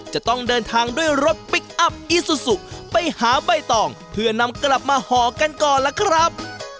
จะต้องเดินทางด้วยรถพลิกอัพอีซูซุไปหาใบตองเพื่อนำกลับมาห่อกันก่อนล่ะครับ